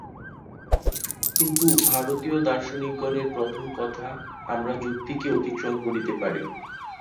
কিন্তু ভারতীয় দার্শনিকগণের প্রথম কথা আমরা যুক্তিকে অতিক্রম করিতে পারি।